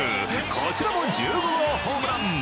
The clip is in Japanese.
こちらも１５号ホームラン。